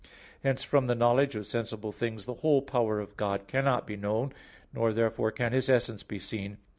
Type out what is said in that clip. Hence from the knowledge of sensible things the whole power of God cannot be known; nor therefore can His essence be seen.